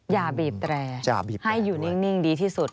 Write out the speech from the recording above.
อย่าบีบแรงให้อยู่นิ่งดีที่สุดจะบีบแรงด้วย